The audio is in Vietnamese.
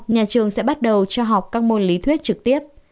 nhà trường sẽ bắt đầu cho học các môn lý thuyết trực tiếp